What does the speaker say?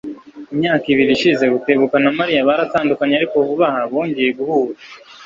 Imyaka ibiri irashize Rutebuka na Mariya baratandukanye ariko vuba aha bongeye guhura.